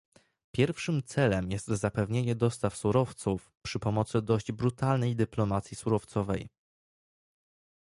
Pierwszym celem jest zapewnienie dostaw surowców przy pomocy dość brutalnej dyplomacji surowcowej